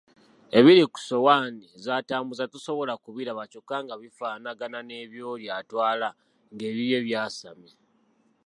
Ebiri ku ssowaani zatambuza tosobola kubiraba kyokka nga bifaanagana n'ebyoli atwala ng'ebibye byasamye.